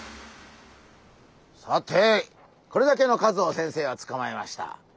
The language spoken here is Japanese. さてこれだけの数を先生はつかまえました。